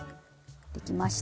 できました。